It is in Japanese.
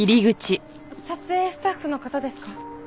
撮影スタッフの方ですか？